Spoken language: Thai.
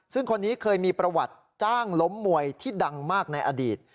ซึ่งคนนี้เคยมีประวัติจ้างล้มมวยที่ดังมากในอดีต